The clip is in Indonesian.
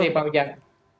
terima kasih pak ujang